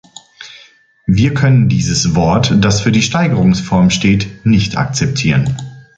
Wir können dieses Wort das für die Steigerungsform steht nicht akzeptieren.